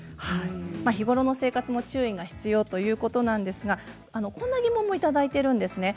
日頃の生活も注意が必要ということなんですがこんな疑問も届いています。